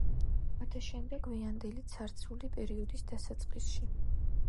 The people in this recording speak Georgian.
გადაშენდა გვიანდელი ცარცული პერიოდის დასაწყისში.